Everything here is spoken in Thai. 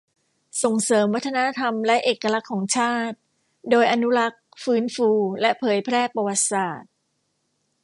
ส่งเสริมวัฒนธรรมและเอกลักษณ์ของชาติ โดยอนุรักษ์ ฟื้นฟู และเผยแพร่ประวัติศาสตร์